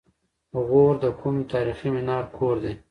غور د کوم تاریخي منار کور دی؟